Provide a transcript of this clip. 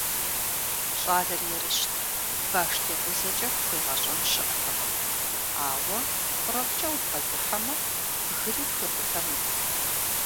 ЩӀалэр ерыщт, баштекъузэкӀэ пхуегъэщӀэн щыӀэтэкъым, ауэ фӀырыфӀкӀэ убгъэдыхьэмэ, бгыри пхуикъутэнут.